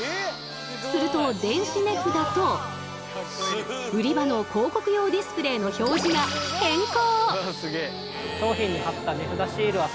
すると電子値札と売り場の広告用ディスプレーの表示が変更！